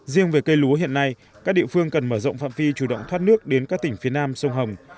riêng về cây lúa hiện nay các địa phương cần mở rộng phạm vi chủ động thoát nước đến các tỉnh phía nam sông hồng